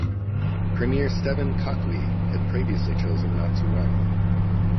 Premier Stephen Kakfwi had previously chosen not to run.